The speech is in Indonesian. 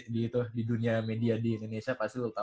di dunia media di indonesia pasti lo tau lah